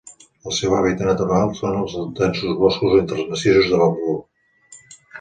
El seu hàbitat natural són els densos boscos entre els massissos de bambú.